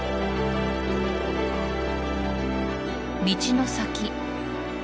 道の先